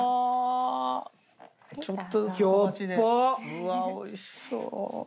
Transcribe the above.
うわっおいしそう。